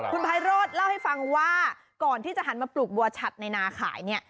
คุณไพโรธเล่าให้ฟังว่าก่อนที่จะหันมาปลูกบัวฉัดในนาขายเนี่ย